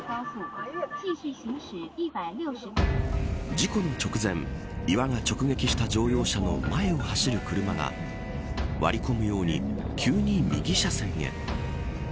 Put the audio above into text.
事故の直前、岩が直撃した乗用車の前を走る車が割り込むように急に右車線へ。